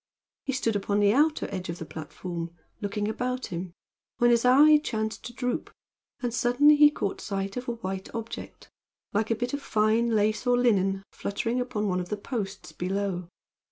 He stood upon the outer edge of the platform, looking about him, when his eye chanced to droop, and suddenly he caught sight of a white object like a bit of fine lace or linen fluttering upon one of the posts below.